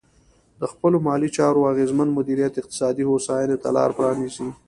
د خپلو مالي چارو اغېزمن مدیریت اقتصادي هوساینې ته لار پرانیزي.